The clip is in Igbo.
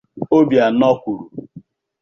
Obiano kwuru.